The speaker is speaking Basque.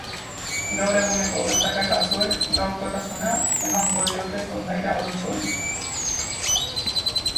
Gaur eguneko gertakari batzuek gaurkotasuna emango diote kondaira odoltsu honi.